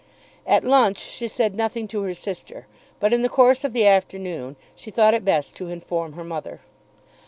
At lunch she said nothing to her sister, but in the course of the afternoon she thought it best to inform her mother.